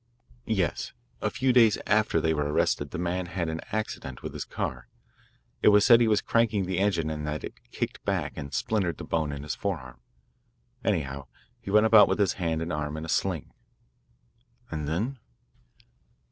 "Yes, a few days after they were arrested the man had an accident with his car. It was said he was cranking the engine and that it kicked back and splintered the bone in his forearm. Anyhow, he went about with his hand and arm in a sling." "And then?"